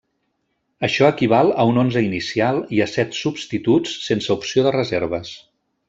Això equival a un onze inicial i a set substituts sense opció de reserves.